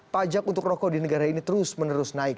pajak untuk rokok di negara ini terus menerus naik